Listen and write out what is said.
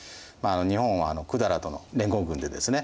日本は百済との連合軍でですね